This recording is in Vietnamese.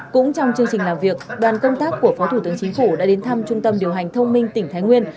cũng trong chương trình làm việc đoàn công tác của phó thủ tướng chính phủ đã đến thăm trung tâm điều hành thông minh tỉnh thái nguyên